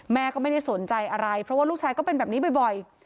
แม่ก็ไม่ได้สนใจอะไรเพราะว่าลูกชายก็เป็นแบบนี้บ่อย